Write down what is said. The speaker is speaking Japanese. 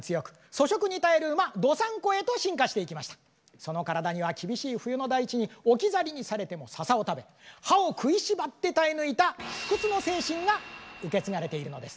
その体には厳しい冬の大地に置き去りにされてもササを食べ歯を食いしばって耐え抜いた不屈の精神が受け継がれているのです。